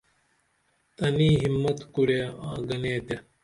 تنی ہمت کُرے آں گنے تے